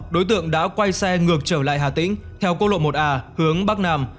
đối tượng đã quay xe ngược trở lại hà tĩnh theo cô lộ một a hướng bắc nam